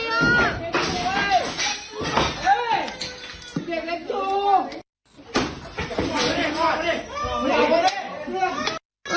เฮ้ยเด็กเล็กจู